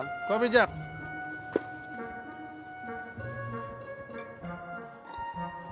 tinggal orek doang sama bihun